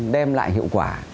đem lại hiệu quả